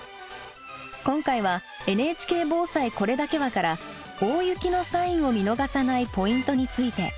今回は「ＮＨＫ防災これだけは」から大雪のサインを見逃さないポイントについて。